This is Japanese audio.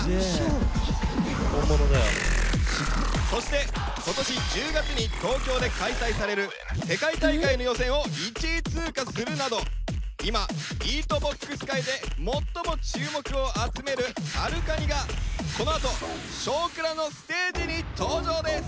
そして今年１０月に東京で開催される世界大会の予選を１位通過するなど今ビートボックス界で最も注目を集めるＳＡＲＵＫＡＮＩがこのあと「少クラ」のステージに登場です！